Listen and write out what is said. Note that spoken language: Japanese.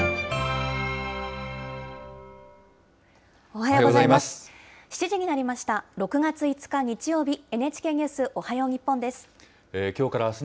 おはようございます。